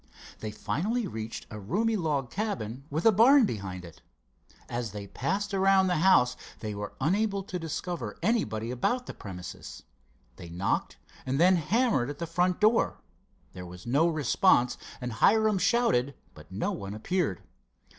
They finally reached a roomy log cabin with a barn behind it. As they passed around the house they were unable to discover anybody about the premises. They knocked and then hammered at the front door. There was no response, and Hiram shouted, but no one appeared.